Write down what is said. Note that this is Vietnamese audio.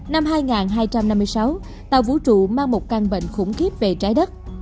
năm hai nghìn hai trăm năm mươi sáu tàu vũ trụ mang một căn bệnh khủng khiếp về trái đất